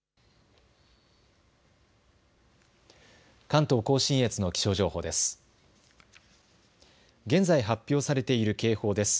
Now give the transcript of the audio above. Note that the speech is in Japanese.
関東甲信越の気象情報です。